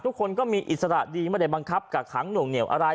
ทุกคนก็มีอิสระดีไม่ได้บังคับกักขังหน่วงเหนียวอะไร